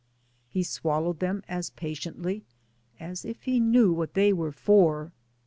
He swallowed them as patiently as if he knew what they were for.